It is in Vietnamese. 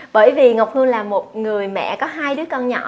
bởi vì ngọc hương là một người mẹ có hai đứa con nhỏ